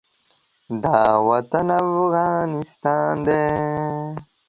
دا وطن افغانستان دی.